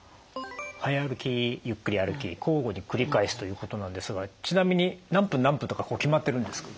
早歩きゆっくり歩き交互に繰り返すということなんですがちなみに何分何分とか決まってるんですか？